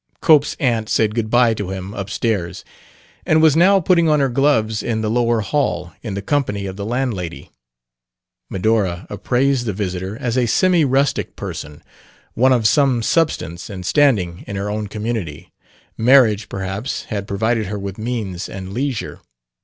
Cope's aunt said good bye to him up stairs and was now putting on her gloves in the lower hall, in the company of the landlady. Medora appraised the visitor as a semi rustic person one of some substance and standing in her own community; marriage, perhaps, had provided her with means and leisure.